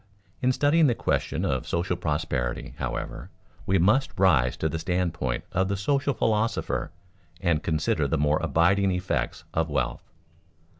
_In studying the question of social prosperity, however, we must rise to the standpoint of the social philosopher and consider the more abiding effects of wealth.